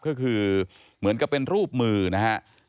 ก็คือเหมือนกับเป็นรูปมือนะฮะ